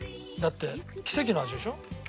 だって奇跡の味でしょ？